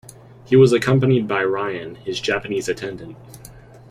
He was accompanied by Ryan, his Japanese attendant.